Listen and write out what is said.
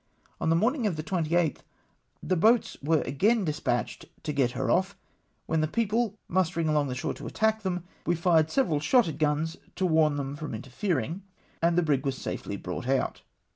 On the morning of the 28th, the boats were again despatched to get her off, when, the people mustering along shore to attack them, we fired several shotted guns to warn them from interfering, and the brig was safely brought out.